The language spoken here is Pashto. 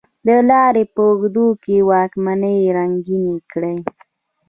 د لارې په اوږدو کې واکمنۍ ړنګې کړې.